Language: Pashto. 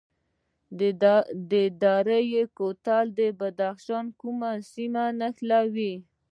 دوره کوتل د بدخشان کومې سیمې نښلوي؟